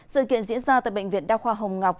sự kiện diễn ra tại bệnh viện đa khoa hồng ngọc